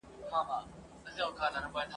چي بچي دي زېږولي غلامان دي !.